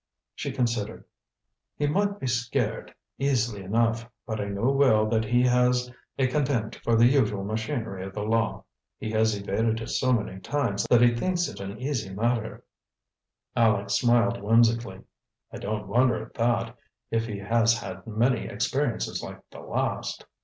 She considered. "He might be scared, easily enough. But I know well that he has a contempt for the usual machinery of the law. He has evaded it so many times that he thinks it an easy matter." Aleck smiled whimsically. "I don't wonder at that, if he has had many experiences like the last."